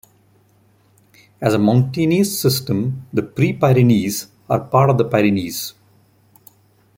As a mountainous system the Pre-Pyrenees are part of the Pyrenees.